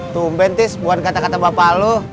tumben tis bukan kata kata bapak lu